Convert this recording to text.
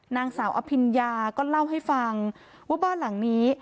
นางสาวอภิญญาก็เล่าให้ฟังว่าบ้านหลังนี้